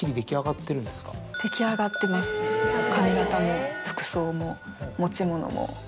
髪形も服装も持ち物も。